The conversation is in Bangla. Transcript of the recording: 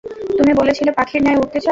তুমি বলেছিলে, পাখির ন্যায় উড়তে চাও!